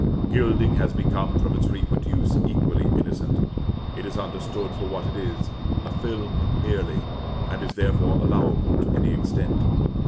Gilding has become, from its frequent use, equally innocent. It is understood for what it is, a film merely, and is, therefore, allowable to any extent.